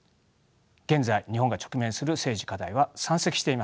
現在日本が直面する政治課題は山積しています。